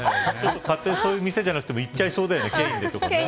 勝手にそういう店じゃなくても行っちゃいそうだよね。